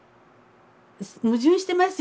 矛盾してますよね。